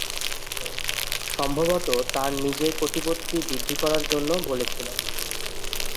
সম্ভবত তাঁর নিজের প্রতিপত্তি বৃদ্ধি করার জন্য বলেছিলেন।